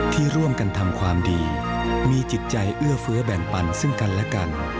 ที่ร่วมกันทำความดีมีจิตใจเอื้อเฟื้อแบ่งปันซึ่งกันและกัน